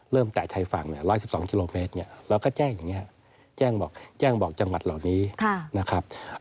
เริ่มแตะชัยฝั่ง๑๑๒กมเราก็แจ้งอย่างนี้แจ้งบอกจังหวัดเหล่านี้นะครับ